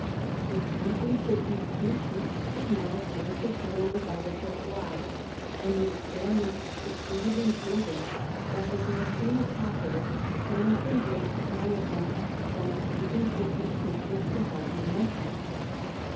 The sleeping sickness patient did not appear to feel the bite of the fly, and the experiments succeeded in proving that the Glossina palpalis can convey trypano somes from sleeping sickness patients to healthy monkeys.